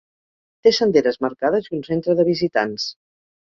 Té senderes marcades i un centre de visitants.